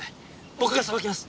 僕がさばきます！